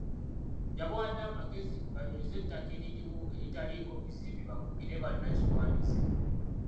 Yabawadde amagezi banyweze ettaka eririwo eritaliiko bizimbe bakugire bannakigwanyizi.